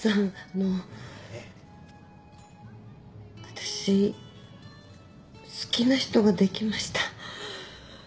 私好きな人ができました。